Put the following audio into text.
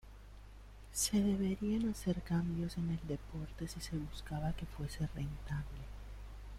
Se deberían hacer cambios en el deporte si se buscaba que fuese rentable.